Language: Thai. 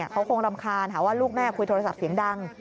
เขาคงรำคาญหาว่าลูกแม่คุยโทรศัพท์เสียงดัง